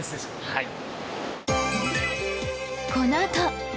はい。